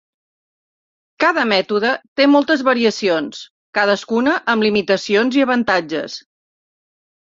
Cada mètode té moltes variacions, cadascuna amb limitacions i avantatges.